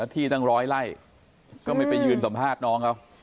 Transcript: ที่ตั้งร้อยไล่ก็ไม่ไปยืนสัมภาษณ์น้องเขา